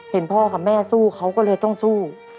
เห็นพ่อกับแม่สู้เขาก็เลยต้องสู้